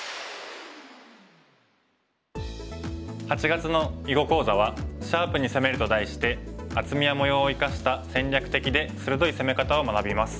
８月の囲碁講座は「シャープに攻める」と題して厚みや模様を生かした戦略的で鋭い攻め方を学びます。